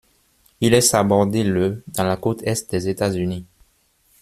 Il est sabordé le dans la cote Est des États-Unis.